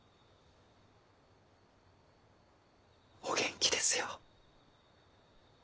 お元気ですよ。